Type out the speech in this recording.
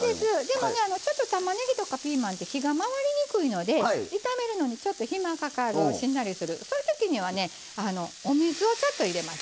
でもねたまねぎとかピーマンって火が回りにくいので炒めるのにちょっと暇かかるしんなりするそういう時にはねお水をちょっと入れますね。